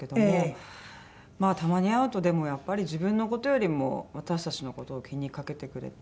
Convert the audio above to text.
まあたまに会うとでもやっぱり自分の事よりも私たちの事を気にかけてくれて。